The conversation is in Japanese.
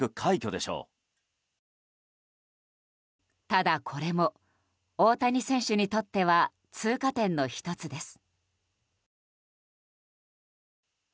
ただ、これも大谷選手にとっては通過点の１つです。